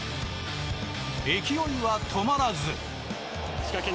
勢いは止まらず。